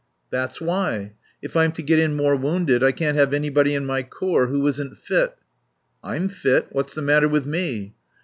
"That's why. If I'm to get in more wounded I can't have anybody in my corps who isn't fit." "I'm fit. What's the matter with me?"